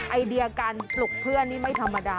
ไอเดียการปลุกเพื่อนนี่ไม่ธรรมดา